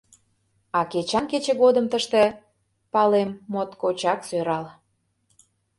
А кечан кече годым тыште, палем, моткочак сӧрал.